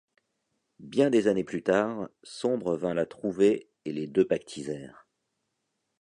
Bien des années plus tard, Sombre vint la trouver et les deux pactisèrent...